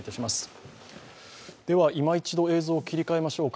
いま一度映像を切り替えましょうか。